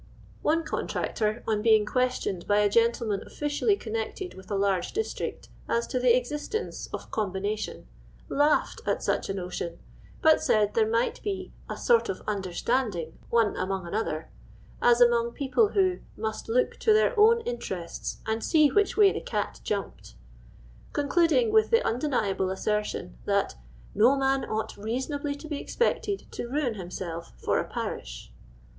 One contractor, on being ques tioned by a gentleman officially connected with a brgc district, as to the existence of combination, laughed at such a notion, but said there might be " a sort of understanding one among another," as among people who " must look to their own in teresU, and see which way the cat jumped ;" concluding with the undeniable assertion that " no man ought reasonably to be expected to ruin himself for a parish."